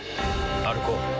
歩こう。